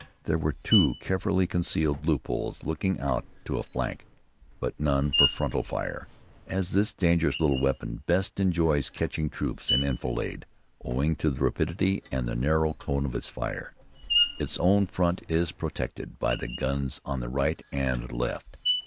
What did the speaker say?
There were two carefully concealed loopholes looking out to a flank, but none for frontal fire, as this dangerous little weapon best enjoys catching troops in enfilade owing to the rapidity and the narrow cone of its fire. Its own front is protected by the guns on its right and left.